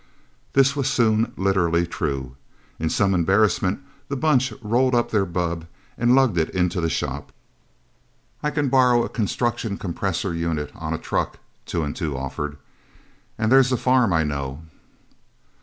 This was soon literally true. In some embarrassment, the Bunch rolled up their bubb and lugged it into the shop. "I can borrow a construction compressor unit on a truck," Two and Two offered. "And there's a farm I know..."